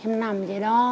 em nằm vậy đó